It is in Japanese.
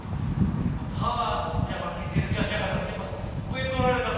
パワーじゃ負けてる気はしなかったんですけどやっぱ。